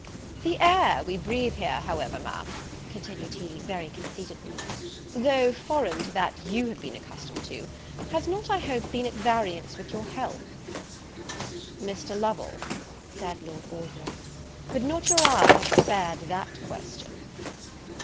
"The air we breathe here, however, Ma'am," continued he, very conceitedly, "though foreign to that you have been accustomed to, has not I hope been at variance with your health?" "Mr. Lovel," said Lord Orville, "could not your eye have spared that question?"